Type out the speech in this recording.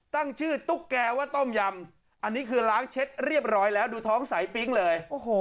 ตั้งชื่อตุ๊กแก่ว่าต้มยำอันนี้คือล้างเช็ดเรียบร้อยแล้วดูท้องสายปิ๊งเลย